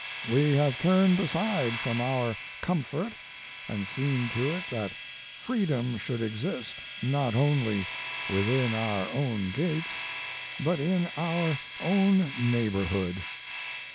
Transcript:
We have turned aside from our own comfort and seen to it that freedom should exist, not only within our own gates, but in our own neighborhood.